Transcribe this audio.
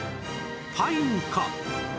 パインか？